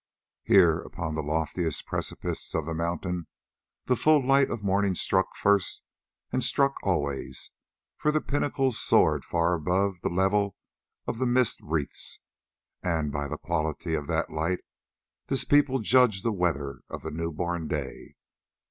Here, upon the loftiest precipices of the mountain the full light of morning struck first and struck always, for their pinnacles soared far above the level of the mist wreaths, and by the quality of that light this people judged the weather of the new born day.